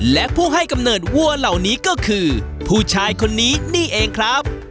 และผู้ให้กำเนิดวัวเหล่านี้ก็คือผู้ชายคนนี้นี่เองครับ